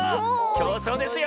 きょうそうですよ！